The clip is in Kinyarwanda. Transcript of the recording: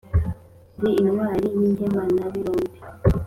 ndi intwari y’ingemanabirombe